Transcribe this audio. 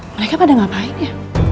mereka pada ngapain ya